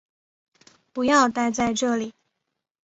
不要待在这里